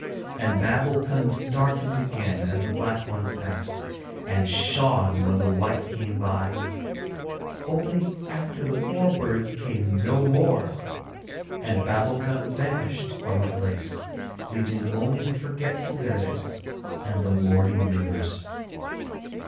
And Babbulkund darkened again as the black ones passed, and shone when the white came by; only after the four birds came no more, and Babbulkund vanished from her place, leaving only the forgetful desert and the mourning rivers.